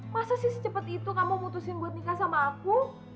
masa sih secepat itu kamu mutusin buat nikah sama aku